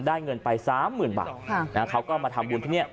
ได้เงินไปสามหมื่นบาทค่ะนะฮะเขาก็มาทำบุญที่เนี้ย